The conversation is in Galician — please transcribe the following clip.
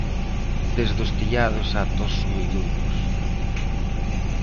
Desde os tellados ata os sumidoiros.